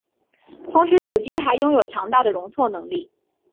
同时主机还拥有强大的容错能力。